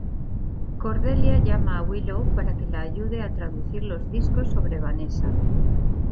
Cordelia llama a Willow para que la ayude a traducir los discos sobre Vanessa.